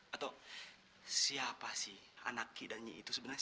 atau siapa sih anak ki dan nyi itu sebenarnya